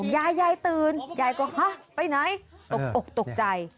ยายยายตื่นยายก็ฮะไปไหนตกอกตกใจ